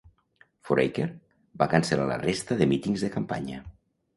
Foraker va cancel·lar la resta de mítings de campanya.